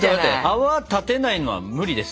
泡立てないのは無理です！